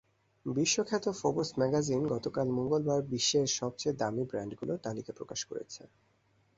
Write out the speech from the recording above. বিশ্বখ্যাত Forbes magazine গতকাল মঙ্গলবার বিশ্বের সবচেয়ে দামি ব্র্যান্ডগুলোর তালিকা প্রকাশ করেছে।